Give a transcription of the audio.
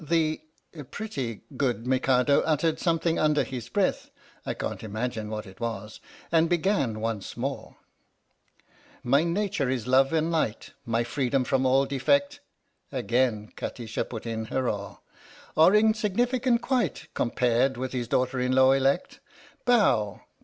The (pretty) good Mikado muttered something under his breath (I can't imagine what it was) and began once more : My nature is love and light My freedom from all defect Again Kati sha put in her oar: Are insignificant quite Compared with his daughter in law elect ! Bow